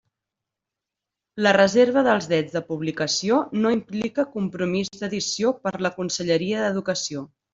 La reserva dels drets de publicació no implica compromís d'edició per a la Conselleria d'Educació.